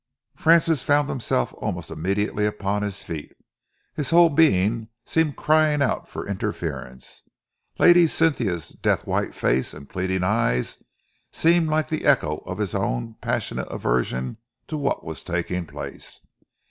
Francis found himself almost immediately upon his feet. His whole being seemed crying out for interference. Lady Cynthia's death white face and pleading eyes seemed like the echo of his own passionate aversion to what was taking place.